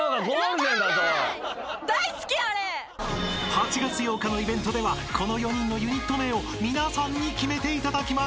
［８月８日のイベントではこの４人のユニット名を皆さんに決めていただきます］